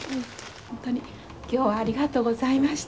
本当に今日はありがとうございました。